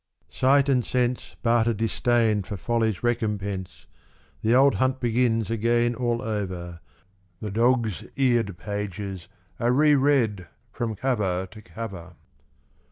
Sight and sense Barter disdain for folly's recompense. The old hunt begins again all over : The dogs' eared pages are re read from cover to cover.